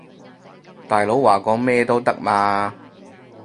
大佬話講咩都得嘛